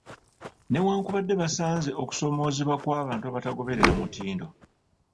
Newankubadde basanze okusoomoozebwa kw’abantu abatagoberera mutindo.